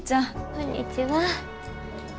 こんにちは。